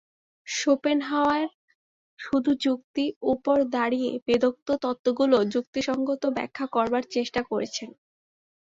Schopenhauer শুধু যুক্তির উপর দাঁড়িয়ে বেদোক্ত তত্ত্বগুলির যুক্তিসঙ্গত ব্যাখ্যা করবার চেষ্টা করেছেন।